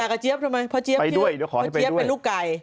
พอเจี๊ยบเป็นลูกไก่